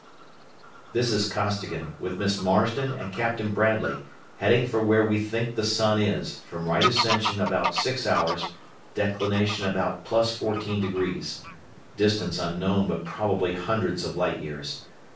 This is Costigan, with Miss Marsden and Captain Bradley, heading for where we think the sun is, from right ascension about six hours, declination about plus fourteen degrees. Distance unknown, but probably hundreds of light years.